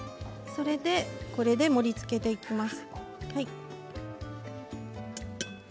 これで盛りつけていきます。